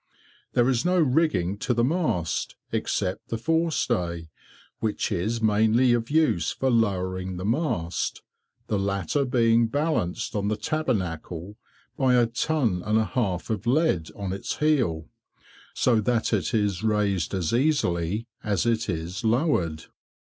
There is no rigging to the mast except the forestay, which is mainly of use for lowering the mast, the latter being balanced on the tabernacle by a ton and a half of lead on its heel, so that it is raised as easily as it is lowered.